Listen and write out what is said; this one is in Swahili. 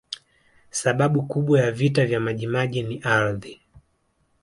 sababu kubwa ya vita vya majimaji ni ardhi